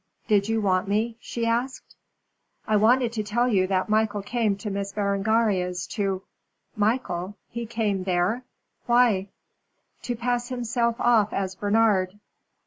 "Did you want me?" she asked. "I wanted to tell you that Michael came to Miss Berengaria's to " "Michael. He came there. Why?" "To pass himself off as Bernard."